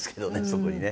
そこにね。